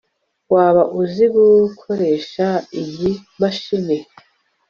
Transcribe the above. waba uzi gukoresha iyi mashini